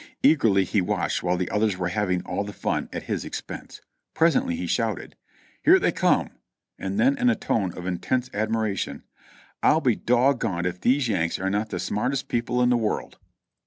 Eagerly he watched while the others were having all the fun at his expense. Pres ently he shouted : "Here they come !" and then in a tone of intense admiration, "I'll be doggoned if these Yanks are not the smartest people in the world."